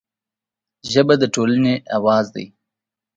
ژبه د ټولنې اواز دی